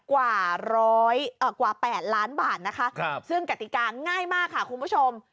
กว่าร้อยกว่า๘ล้านบาทนะคะซึ่งกติกาง่ายมากค่ะคุณผู้ชม